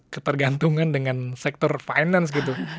ketergantungan dengan sektor finance